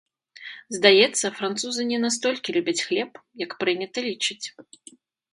Здаецца, французы не настолькі любяць хлеб, як прынята лічыць.